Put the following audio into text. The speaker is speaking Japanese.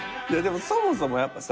もそもそもやっぱさ